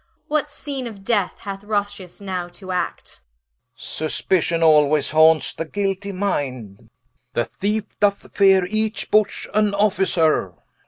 What Scene of death hath Rossius now to Acte? Rich. Suspition alwayes haunts the guilty minde, The Theefe doth feare each bush an Officer, Hen.